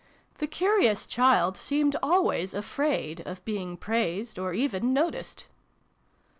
The curious child seemed always afraid of being praised, or even noticed.